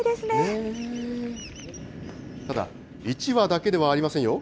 ただ、１羽だけではありませんよ。